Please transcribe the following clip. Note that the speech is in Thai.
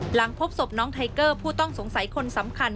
หลังพบศพน้องไทเกอร์ผู้ต้องสงสัยคนสำคัญ